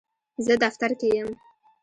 زه دفتر کې یم.